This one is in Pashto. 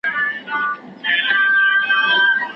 ډیپلوماټیکې خبري باید د هېواد د ګټو په چوکاټ کي وي.